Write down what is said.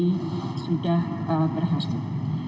ini sudah berhasil